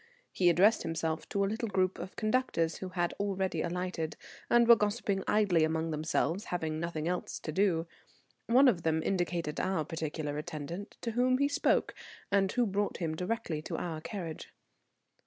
He addressed himself to a little group of conductors who had already alighted, and were gossiping idly among themselves, having nothing else to do. One of them indicated our particular attendant, to whom he spoke, and who brought him directly to our carriage.